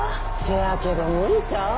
せやけど無理ちゃう？